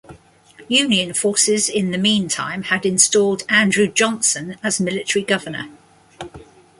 Union forces, in the mean time, had installed Andrew Johnson as military governor.